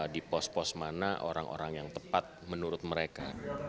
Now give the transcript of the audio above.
di pos pos mana orang orang yang tepat menurut mereka